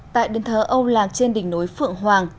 tại đền thờ âu lạc trên đỉnh núi phượng hoàng